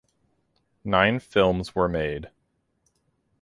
Nine films were made.